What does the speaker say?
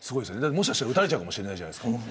もしかしたら打たれちゃうかもしれないじゃないですか。